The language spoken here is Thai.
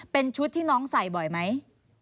เป็นชุดที่น้องใส่บ่อยไหม